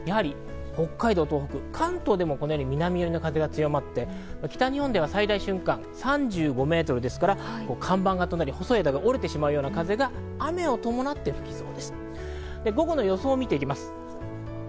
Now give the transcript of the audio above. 風をのせますと北海道、東北、関東でもこのように南寄りの風が強まって、北日本では最大瞬間３５メートルですから看板が飛んだり、細い枝が折れてしまうような風が雨を伴って吹きそうです。